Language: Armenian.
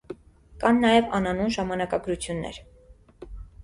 Կան նաև անանուն ժամանակագրություններ։